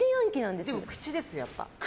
でも、口ですよ、やっぱり。